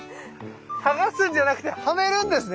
剥がすんじゃなくてはめるんですね！